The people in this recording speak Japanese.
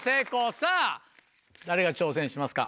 さぁ誰が挑戦しますか？